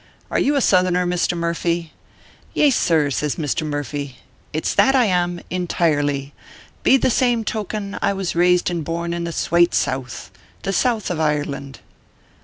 " Are you a Southerner, Mr. Murphy ?"" Yaysir," SSLJS Mr. Murphy, " it s that I am, in tirely. Be the same token, I was raised and born in the swate South the South of Ireland."